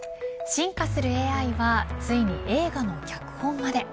進化するＡＩはついに映画の脚本まで。